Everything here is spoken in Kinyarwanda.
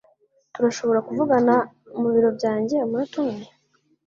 Turashobora kuvugana mu biro byanjye umunota umwe?